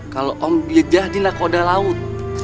kalau om jadi nakoda laut